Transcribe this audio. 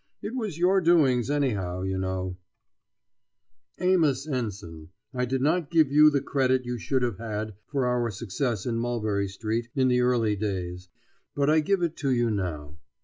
It was your doings, anyhow, you know. [Illustraion: James Tanner.] Amos Ensign, I did not give you the credit you should have had for our success in Mulberry Street in the early days, but I give it to you now.